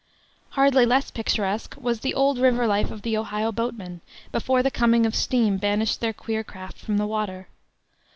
Hardly less picturesque was the old river life of the Ohio boatmen, before the coming of steam banished their queer craft from the water.